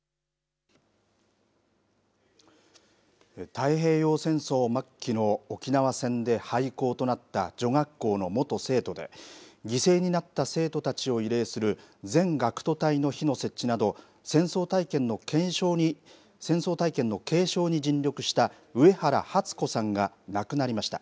太平洋戦争末期の沖縄戦で廃校となった女学校の元生徒で犠牲になった生徒たちを慰霊する全学徒隊の碑の設置など戦争体験の継承に尽力した上原はつ子さんが亡くなりました。